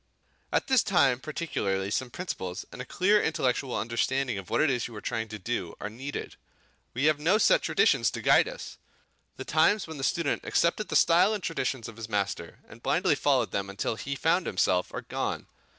At this time particularly some principles, and a clear intellectual understanding of what it is you are trying to do, are needed. We have no set traditions to guide us. The times when the student accepted the style and traditions of his master and blindly followed them until he found himself, are gone.